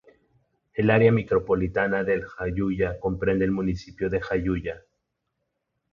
El área micropolitana de Jayuya comprende el municipio de Jayuya.